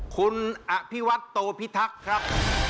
คุณอภิวัตโตพิทักษ์ครับ